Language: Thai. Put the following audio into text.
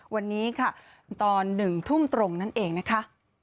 วันนี้ค่ะตอน๑ทุ่มตรงนั่นเองนะคะ